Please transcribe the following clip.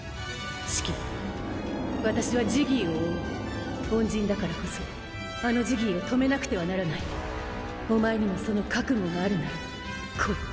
シキ私はジギーを追う恩人だからこそあのジギーを止めなくお前にもその覚悟があるなら来い！